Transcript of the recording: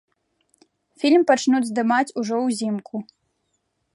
Фільм пачнуць здымаць ужо ўзімку.